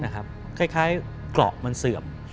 คล้ายเกราะมันเสื่อม